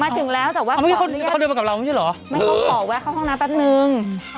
ถึงแล้วแต่ว่าเขาเดินมากับเราไม่ใช่เหรอไม่เขาขอแวะเข้าห้องน้ำแป๊บนึง